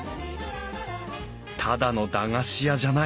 ただの駄菓子屋じゃない。